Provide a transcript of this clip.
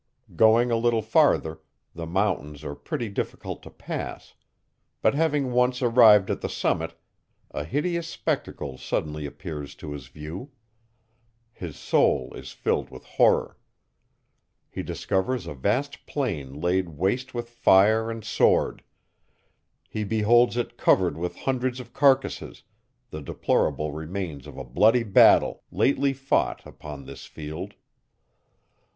Going a little farther, the mountains are pretty difficult to pass; but having once arrived at the summit, a hideous spectacle suddenly appears to his view. His soul is filled with horror. He discovers a vast plain laid waste with fire and sword; he beholds it covered with hundreds of carcases, the deplorable remains of a bloody battle, lately fought upon this field.